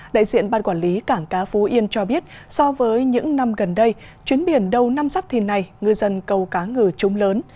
đại diện ban quản lý cảng cá phú yên cho biết so với những năm gần đây chuyến biển đầu năm giáp thìn này ngư dân cầu cá ngừ trông lớn